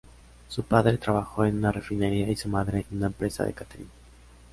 Su padre trabajó en una refinería y su madre en una empresa de cáterin.